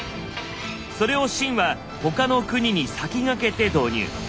それを秦は他の国に先駆けて導入。